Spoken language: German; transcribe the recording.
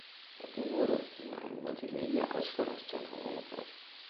Seitdem wurde es in ein Multimedia-Ausstellungszentrum umgebaut.